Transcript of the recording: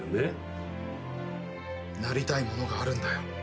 なりたいものがあるんだよ。